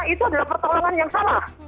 itu adalah pertolongan yang salah